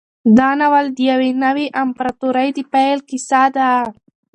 دا ناول د یوې نوې امپراطورۍ د پیل کیسه ده.